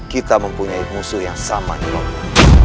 kita mempunyai musuh yang sama nyirombang